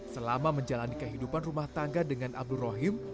selama menjalani kehidupan rumah tangga dengan abdul rohim